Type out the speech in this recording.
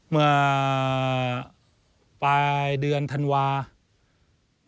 เมื่อปลายเดือนธันวาคม